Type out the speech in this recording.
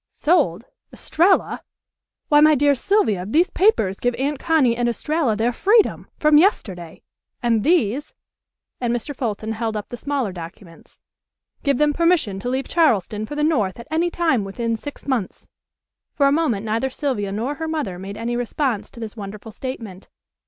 "Sold! Estralla! Why, my dear Sylvia, these papers give Aunt Connie and Estralla their freedom, from yesterday. And these," and Mr. Fulton held up the smaller documents, "give them permission to leave Charleston for the north at any time within six months." For a moment neither Sylvia nor her mother made any response to this wonderful statement.